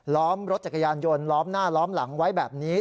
ล้อมรถจักรยานยนต์ล้อมหน้าล้อมหลังไว้แบบนี้